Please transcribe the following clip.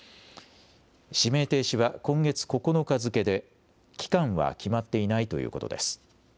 指名停止は今月９日付で、期間は決まっていないということです。